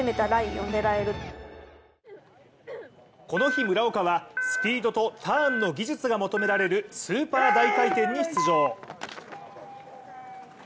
この日、村岡はスピードとターンの技術が求められるスーパー大回転に出場。